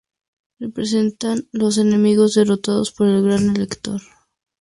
Representan los enemigos derrotados por el gran elector.